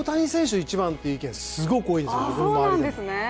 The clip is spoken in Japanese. １番という意見がすごく多いんですよ、僕の周り。